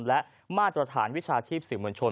และมาตรฐานวิชาชีพสื่อมวลชน